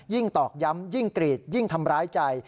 ตอกย้ำยิ่งกรีดยิ่งทำร้ายใจ